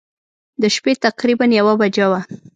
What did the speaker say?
د شپې تقریباً یوه بجه وه.